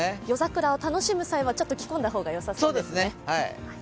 夜桜を楽しむ際はちょっと着込んだ方がよさそうですね。